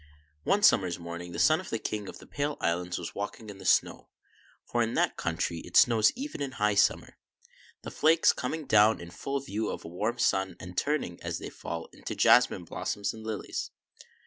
¥ O NE summer's morning the son of the King of the Pale Islands was walking in the snow; for in that country it snows even in high summer, the flakes coming down in full view of a warm sun, and turning, as they fall, into jasmine blossoms and lilies.